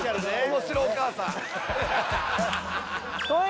面白お母さん。